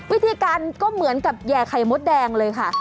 วิธีการก็เหมือนกับแห่ไข่มดแดงเลยค่ะ